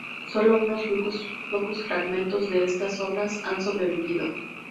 Sólo unos pocos fragmentos de estas obras han sobrevivido.